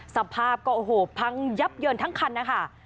สภาพก็โอ้โหพังยับเยินทั้งคันนะคะ